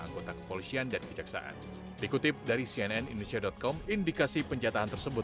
anggota kepolisian dan kejaksaan dikutip dari cnn indonesia com indikasi penjatahan tersebut